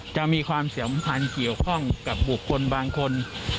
จะมีความสำคัญเกี่ยวข้องกับบุคคลบางคน